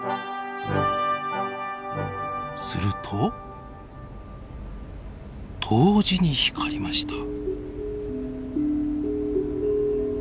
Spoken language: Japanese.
すると同時に光りました。